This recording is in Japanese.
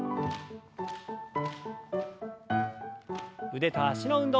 腕と脚の運動。